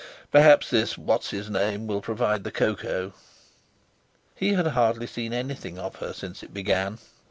"Perhaps this What's his name will provide the cocoa." He had hardly seen anything of her since it began.